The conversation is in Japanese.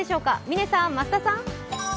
嶺さん、増田さん！